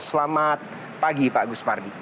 selamat pagi pak gus pardi